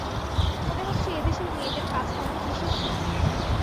মনে হচ্ছে এ দেশের মেয়েদের কাজকর্ম বিশেষ নেই।